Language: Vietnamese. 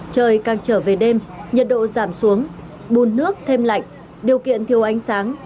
trời càng trở về đêm nhiệt độ giảm xuống bùn nước thêm lạnh điều kiện thiêu ánh sáng